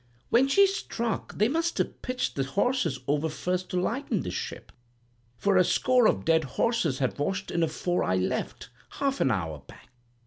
When she struck they must ha' pitched the horses over first to lighten the ship, for a score of dead horses had washed in afore I left, half an hour back.